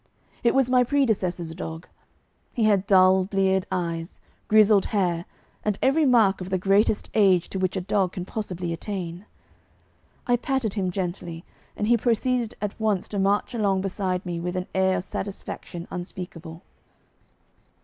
It was my predecessor's dog. He had dull bleared eyes, grizzled hair, and every mark of the greatest age to which a dog can possibly attain. I patted him gently, and he proceeded at once to march along beside me with an air of satisfaction unspeakable.